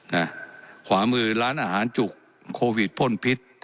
นะขวามือร้านอาหารจุกโควิดพ่นพิษ